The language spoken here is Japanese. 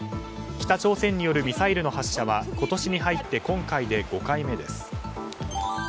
北朝鮮によるミサイルの発射は今年に入って今回で５回目です。